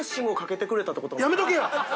やめとけや！